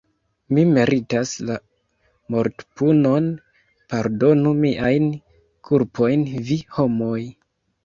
Mi meritas la mortpunon, pardonu miajn kulpojn vi, homoj!